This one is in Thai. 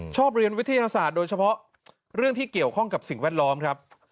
ชอบเรียนวิทยาศาสตร์โดยเฉพาะเรื่องที่เกี่ยวข้องกับสิ่งแวดล้อมครับ